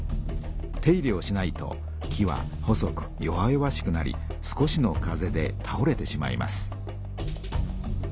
手入れをしないと木は細く弱々しくなり少しの風でたおれてしまいます。